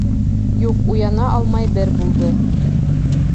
Юҡ, уяна алмай бер булды.